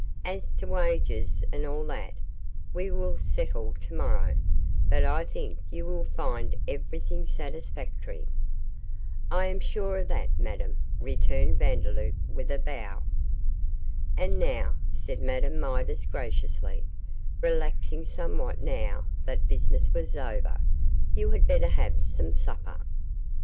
As to wages and all that, we will settle to morrow, but I think you will find everything satisfactory.' 'I am sure of that, Madame,' returned Vandeloup, with a bow. 'And now,' said Madame Midas, graciously, relaxing somewhat now that business was over, 'you had better have some supper.